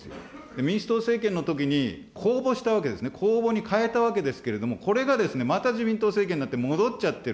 民主党政権のときに公募したわけですね、公募に変えたわけですけれども、これがまた自民党政権になって戻っちゃってる。